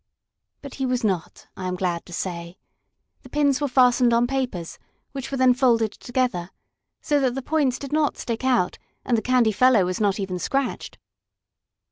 But he was not, I am glad to say. The pins were fastened on papers, which were then folded together, so that the points did not stick out, and the candy fellow was not even scratched.